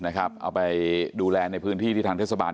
เอาไปดูแลในพื้นที่ที่ทางเทศบาล